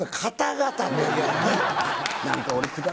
何か俺。